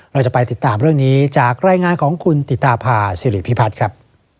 เราจะไปติดตามเรื่องนี้จากรายงานของคุณติตาพาสิริพิพัฒน์ครับ